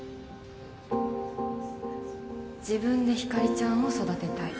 自分でひかりちゃんを育てたい